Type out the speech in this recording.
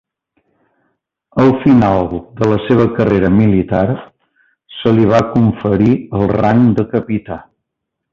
Al final de la seva carrera militar, se li va conferir el rang de capità.